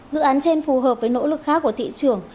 dự án trên phù hợp với nỗ lực khác của thị trường